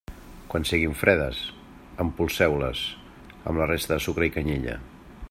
Quan siguin fredes, empolseu-les amb la resta del sucre i la canyella.